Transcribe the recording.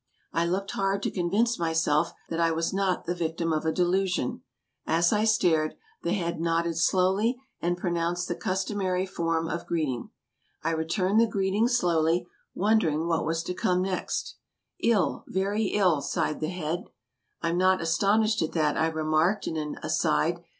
I looked hard to convince myself that I was not the victim of a delusion. As I stared, the head nodded slowly and pronounced the customary form of greeting. I returned the greeting slowly, wondering what was to come next. " 111, very ill! " sighed the head. "I'm not astonished at that," I remarked, in an "aside."